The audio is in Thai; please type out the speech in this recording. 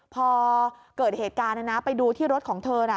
พอเกิดเหตุการณ์ไปดูที่รถของเธอ